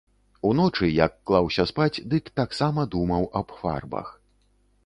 Уночы, як клаўся спаць, дык таксама думаў аб фарбах.